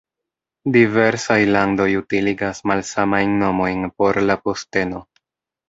Diversaj landoj utiligas malsamajn nomojn por la posteno.